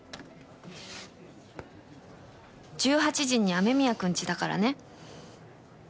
「１８時に雨宮くんちだからね」